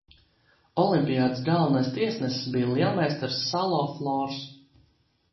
Olimpiādes galvenais tiesnesis bija lielmeistars Salo Flors.